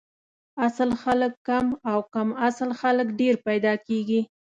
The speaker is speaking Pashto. اصل خلک کم او کم اصل خلک ډېر پیدا کیږي